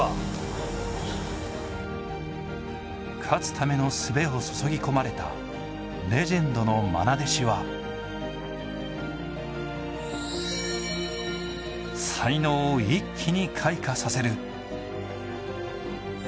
勝つためのすべを注ぎ込まれたレジェンドのまな弟子は才能を一気に開花させる。